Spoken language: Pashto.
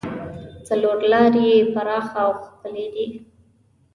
څلور لارې یې پراخه او ښکلې دي.